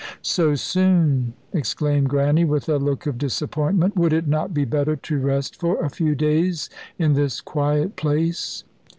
"So soon?" exclaimed Grannie, with a look of disappointment. "Would it not be better to rest for a few days in this quiet place?"